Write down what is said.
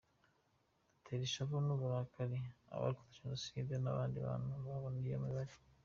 -Gutera ishavu n’uburakari abarokotse Genocide n’abandi bantu babona iyo mibare